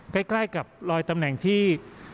ใกล้กับรอยตำแหน่งที่